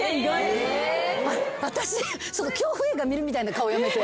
恐怖映画見るみたいな顔やめて。